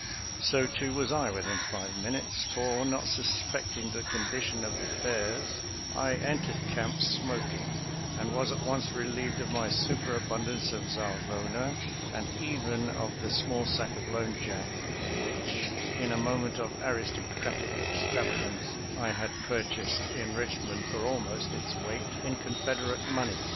So too was I within five minutes, for not suspecting the condition of affairs, I en tered camp smoking, and was at once relieved of my superabundance of Zarvona, and even of the small sack of Lone Jack which in a moment of aristocratic extravagance I had purchased in Richmond for almost its weight in Confederate money.